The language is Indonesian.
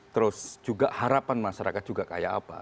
terus juga harapan masyarakat juga kayak apa